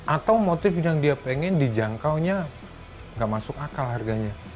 atau motif yang dia pengen dijangkaunya nggak masuk akal harganya